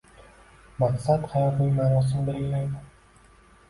Maqsad hayotning ma'nosini belgilaydi.